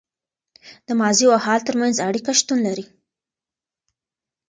د ماضي او حال تر منځ اړیکه شتون لري.